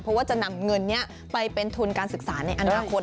เพราะว่าจะนำเงินนี้ไปเป็นทุนการศึกษาในอนาคต